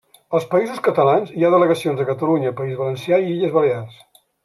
Als Països Catalans, hi ha delegacions a Catalunya, País Valencià i Illes Balears.